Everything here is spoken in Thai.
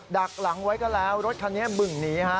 ดักหลังไว้ก็แล้วรถคันนี้บึ่งหนีฮะ